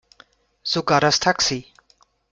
Sogar das Taxi.